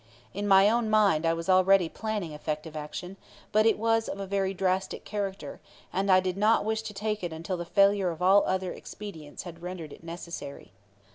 In my own mind I was already planning effective action; but it was of a very drastic character, and I did not wish to take it until the failure of all other expedients had rendered it necessary.